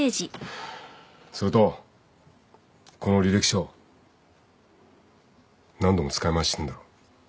それとこの履歴書何度も使い回ししてんだろ。